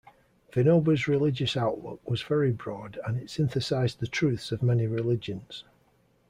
Vinoba's religious outlook was very broad and it synthesised the truths of many religions.